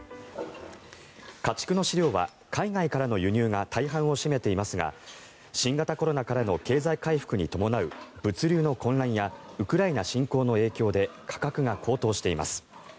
家畜の飼料は、海外からの輸入が大半を占めていますが新型コロナからの経済回復に伴う物流の混乱やウクライナ侵攻の影響で価格が高騰しています。